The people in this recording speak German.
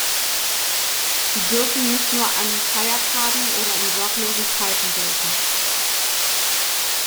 Sie dürfen nicht nur an Feiertagen oder in sorglosen Zeiten gelten.